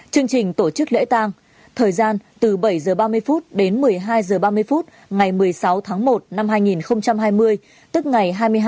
chương trình tổ chức lễ tang thời gian từ bảy h ba mươi đến một mươi hai h ba mươi ngày một mươi sáu tháng một năm hai nghìn hai mươi